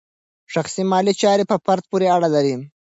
شخصي مالي چارې په فرد پورې اړه لري.